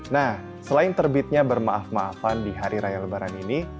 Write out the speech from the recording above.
nah selain terbitnya bermaaf maafan di hari raya lebaran ini